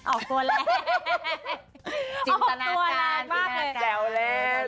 ออกตัวไหล่